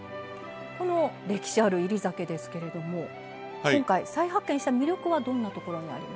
この歴史ある煎り酒ですけれども今回再発見した魅力はどんなところにありますか？